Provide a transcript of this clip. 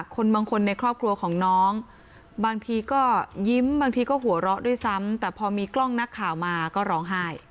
คนบางคนในครอบครัวของน้องบางทีก็ยิ้มบางทีก็หัวเราะด้วยซ้ำแต่พอมีกล้องนักข่าวมาก็ร้องไห้